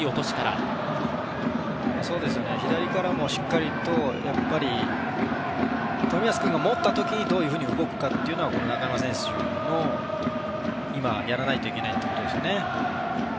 左からも、しっかりと冨安君が持った時にどういうふうに動くかというのが中山選手の、今やらないといけないことですよね。